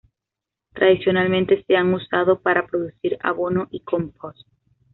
Tradicionalmente se han usado para producir abono y compost.